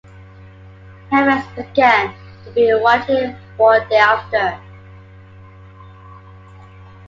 Helmets began to be widely worn thereafter.